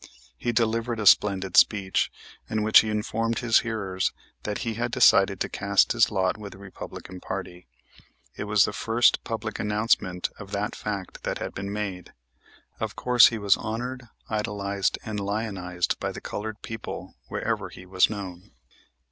He delivered a splendid speech, in which he informed his hearers that he had decided to cast his lot with the Republican party. It was the first public announcement of that fact that had been made. Of course he was honored, idolized and lionized by the colored people wherever he was known.